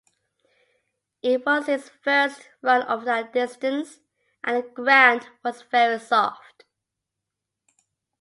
It was his first run over that distance and the ground was very soft.